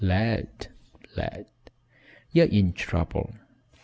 "Lad, lad, ye're in trouble.